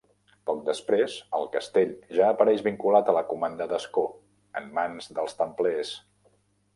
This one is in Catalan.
Poc després, el Castell ja apareix vinculat a la comanda d'Ascó, en mans dels templers.